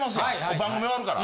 番組終わるから。